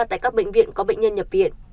tại các bệnh viện có bệnh nhân nhập viện